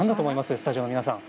スタジオの皆さん。